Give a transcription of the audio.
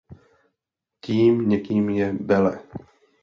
Tím někým je Belle.